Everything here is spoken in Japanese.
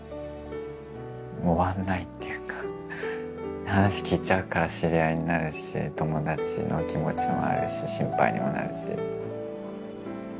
終わんないっていうか話聞いちゃうから知り合いになるし友達の気持ちもあるし心配にもなるし。